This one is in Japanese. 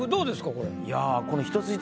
これ。